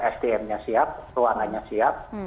sdm nya siap ruangannya siap